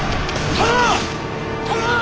殿！